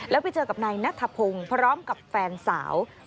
แล้วไปเจอกับนายนัทพงศ์พร้อมกับแฟนสาว